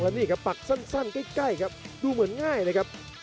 แล้วนี่ครับปักสั้นใกล้รู้เหมือนง่ายเลยครับ